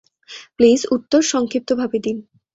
Please, উত্তর সংক্ষিপ্তভাবে দিন।